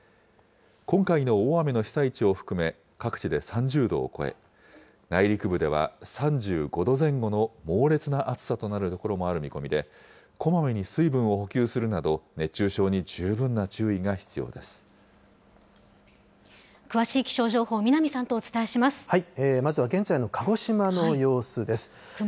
今回の大雨の被災地を含め、各地で３０度を超え、内陸部では３５度前後の猛烈な暑さとなる所もある見込みで、こまめに水分を補給するなど、詳しい気象情報、南さんとおまずは現在の鹿児島の様子です。